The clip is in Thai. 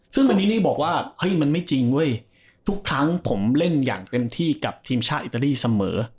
ซึ่งอันนี้บอกว่าเฮ้ยมันไม่จริงเว้ยทุกครั้งผมเล่นอย่างเต็มที่กับทีมชาติอิตาลีเสมอ